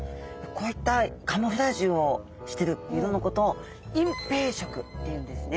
こういったカムフラージュをしてる色のことを隠蔽色っていうんですね。